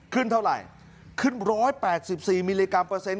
ขึ้นเท่าไหร่ขึ้นร้อยแปดสิบสี่มิลลิกรัมเปอร์เซ็นต์